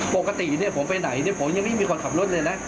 ปกติผมไปไหนผมยังไม่มีคนขับรถเลยนะ